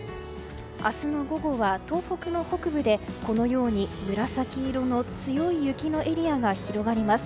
明日の午後は東北の北部で紫色の強い雪のエリアが広がります。